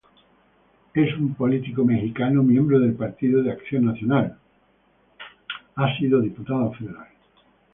Es un político mexicano, miembro del Partido Acción Nacional, ha sido Diputado Federal.